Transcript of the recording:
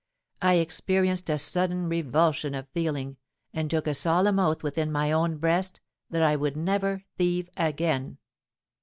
I experienced a sudden revulsion of feeling, and took a solemn oath within my own breast that I would never thieve again.